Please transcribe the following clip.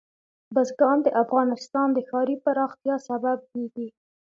بزګان د افغانستان د ښاري پراختیا سبب کېږي.